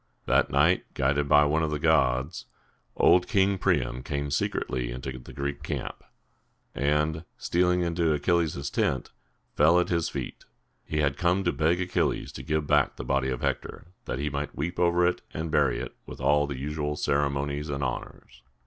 That night, guided by one of the gods, old King Priam came secretly into the Greek camp, and, stealing into Achilles' tent, fell at his feet. He had come to beg Achilles to give back the body of Hector, that he might weep over it, and bury it with all the usual ceremonies and honors.